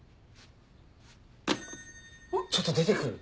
☎ちょっと出てくる。